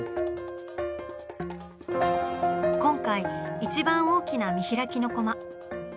今回一番大きな見開きのコマ。